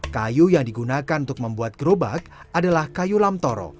kayu yang digunakan untuk membuat gerobak adalah kayu lamtoro